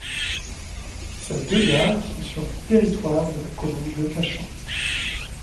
Ces deux gares sont sur le territoire de la commune de Cachan.